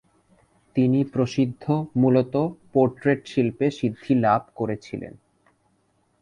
তিনি প্রসিদ্ধ, মূলত পোর্ট্রেট শিল্পে সিদ্ধি লাভ করেছিলেন।